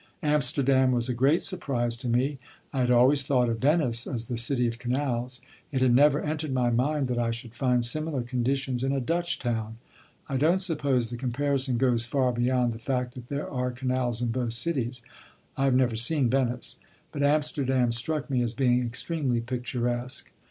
Amsterdam was a great surprise to me. I had always thought of Venice as the city of canals; it had never entered my mind that I should find similar conditions in a Dutch town. I don't suppose the comparison goes far beyond the fact that there are canals in both cities I have never seen Venice but Amsterdam struck me as being extremely picturesque.